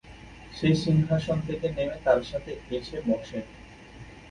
সে সিংহাসন থেকে নেমে তার সাথে এসে বসে।